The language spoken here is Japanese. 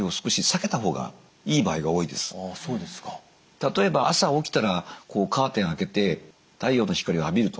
例えば朝起きたらカーテン開けて太陽の光を浴びると。